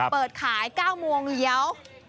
เปิดขาย๙โมงเลี้ยว